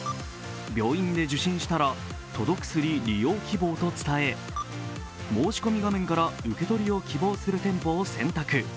病院で受診したら、とどくすり利用希望と伝え、申し込み画面から受け取りを希望する店舗を選択。